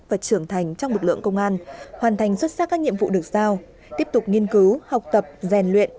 và trưởng thành trong lực lượng công an hoàn thành xuất sắc các nhiệm vụ được giao tiếp tục nghiên cứu học tập rèn luyện